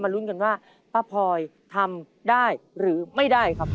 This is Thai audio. ลุ้นกันว่าป้าพลอยทำได้หรือไม่ได้ครับ